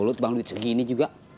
lu lu bangun duit segini juga